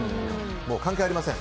関係ありません。